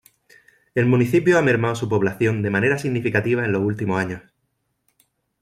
El municipio ha mermado su población de manera significativa en los últimos años.